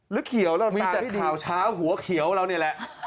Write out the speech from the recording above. หรือเขียวเราตามที่ดินมีแต่ข่าวช้าหัวเขียวเรานี่แหละ